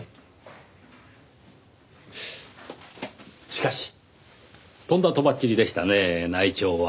しかしとんだとばっちりでしたね内調は。